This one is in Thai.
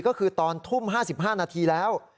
ก็คือตอนทุ่ม๕๕นาทีแล้ว